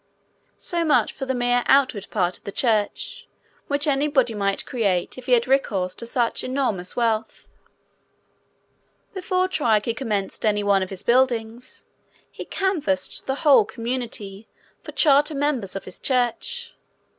So much for the mere outward part of the church which anybody might create if he had recourse to such enormous wealth. Before Trique commenced any one of his buildings, he canvassed the whole community for charter members of his church.